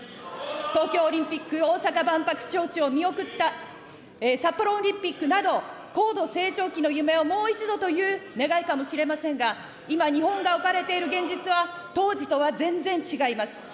東京オリンピック、大阪万博招致を見送った、札幌オリンピックなど、高度成長期の夢をもう一度という願いかもしれませんが、今、日本が置かれている現実は当時とは全然違います。